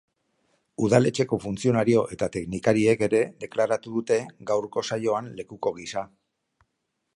Udaletxeko funtzionario eta teknikariek ere deklaratu dute gaurko saioan lekuko gisa.